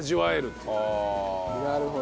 なるほど。